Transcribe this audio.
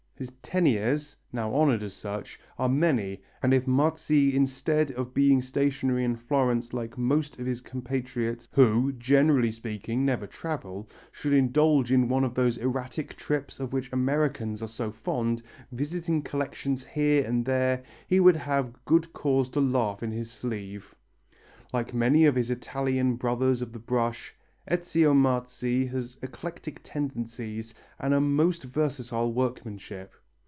His Teniers, now honoured as such, are many, and if Marzi instead of being stationary in Florence like most of his compatriots who, generally speaking, never travel, should indulge in one of those erratic trips of which Americans are so fond, visiting collections here and there, he would have good cause to laugh in his sleeve. Like many of his Italian brothers of the brush, Ezio Marzi has eclectic tendencies and a most versatile workmanship.